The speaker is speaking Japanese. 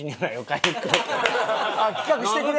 企画してくれ！